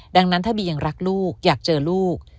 ดังนั้นถ้าบียังรักลูกอยากเจอลูก